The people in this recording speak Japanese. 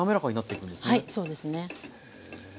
はいそうですね。